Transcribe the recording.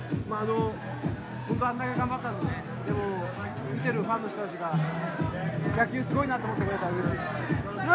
選手たちが頑張ったのででも、見てるファンの人たちが野球すごいなと思ってくれたらうれしいです。